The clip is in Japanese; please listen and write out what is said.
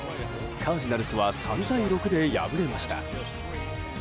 カージナルスは３対６で敗れました。